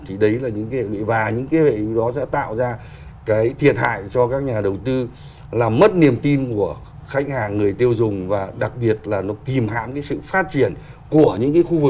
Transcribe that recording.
thì đấy là những cái hệ lụy và những cái hệ lụ đó sẽ tạo ra cái thiệt hại cho các nhà đầu tư làm mất niềm tin của khách hàng người tiêu dùng và đặc biệt là nó kìm hãm cái sự phát triển của những cái khu vực